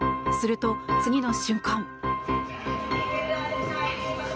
すると、次の瞬間。